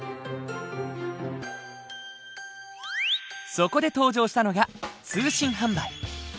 そこで登場したのが通信販売。